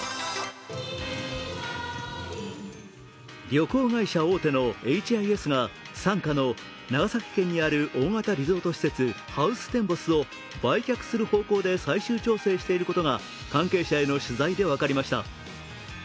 旅行会社大手のエイチ・アイ・エスが傘下の長崎県にある大型リゾート施設ハウステンボスを売却する方向で最終調整していることが関係者への取材で分かりました。